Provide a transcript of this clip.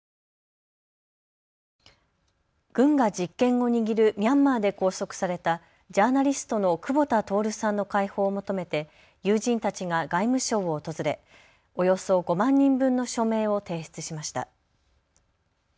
軍が実権を握るミャンマーで拘束されたジャーナリストの久保田徹さんの解放を求めて友人たちが外務省を訪れおよそ５万人分の署名を提出しました。